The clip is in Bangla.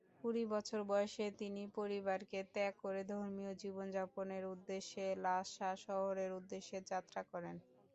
কুড়ি বছর বয়সে তিনি পরিবারকে ত্যাগ করে ধর্মীয় জীবনযাপনের উদ্দেশ্যে লাসা শহরের উদ্দেশ্যে যাত্রা করেন।